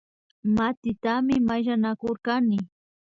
Matitami mayllanakurkani